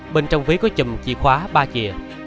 bên trong ví có chùm chìa khóa ba chìa